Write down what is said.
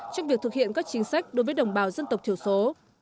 trong việc thực hiện các chính sách đối với đồng bào dân tộc thiểu số